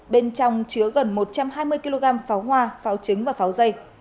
bên trong chứa gần một trăm hai mươi kg pháo hoa pháo trứng và pháo dây